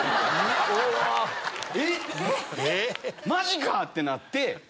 えっ⁉マジか！ってなって。